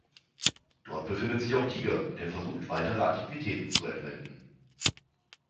Dort befindet sich auch Tiger, der versucht, weitere Antiquitäten zu entwenden.